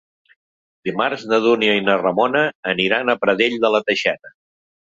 Dimarts na Dúnia i na Ramona aniran a Pradell de la Teixeta.